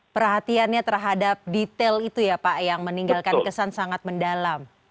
perhatiannya terhadap detail itu ya pak yang meninggalkan kesan sangat mendalam